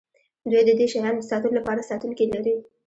دوی د دې شیانو د ساتلو لپاره ساتونکي لري